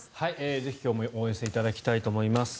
ぜひ今日もお寄せいただきたいと思います。